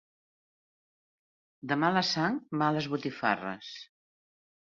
De mala sang, males botifarres.